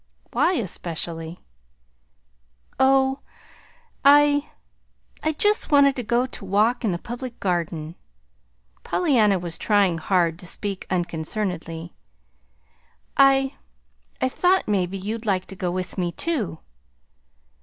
"Why, especially?" "Oh, I I just wanted to go to walk in the Public Garden." Pollyanna was trying hard to speak unconcernedly. "I I thought maybe you'd like to go with me, too."